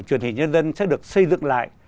truyền hình nhân dân sẽ được xây dựng lại